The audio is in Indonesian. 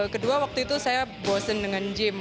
kedua waktu itu saya bosen dengan gym